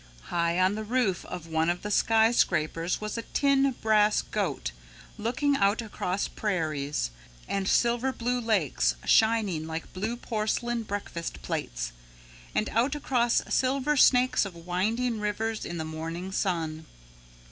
High on the roof of one of the skyscrapers was a tin brass goat looking out across prairies, and silver blue lakes shining like blue porcelain breakfast plates, and out across silver snakes of winding rivers in the morning sun.